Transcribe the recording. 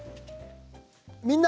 「みんな！